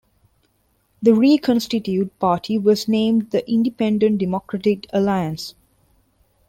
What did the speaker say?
The reconstituted party was named the Independent Democratic Alliance.